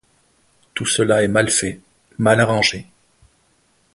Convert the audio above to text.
Tout cela est mal fait, mal arrangé.